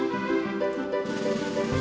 bukan jadi begitu tuhan